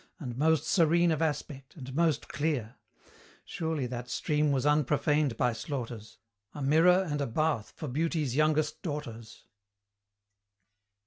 And most serene of aspect, and most clear: Surely that stream was unprofaned by slaughters, A mirror and a bath for Beauty's youngest daughters!